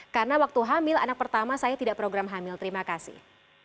karena waktu hamil anak pertama saya tidak program hamil terima kasih